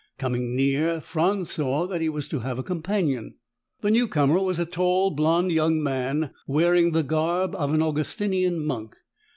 Coming near, Franz saw that he was to have a companion. The newcomer was a tall, blond young man, wearing the garb of an Augustinian monk.